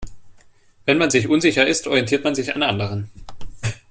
Wenn man sich unsicher ist, orientiert man sich an anderen.